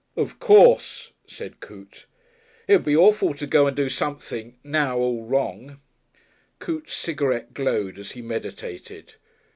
"Of course," said Coote. "It would be awful to go and do something now all wrong." Coote's cigarette glowed as he meditated.